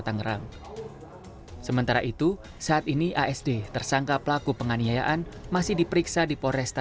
tangerang sementara itu saat ini asd tersangka pelaku penganiayaan masih diperiksa di polresta